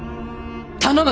頼む。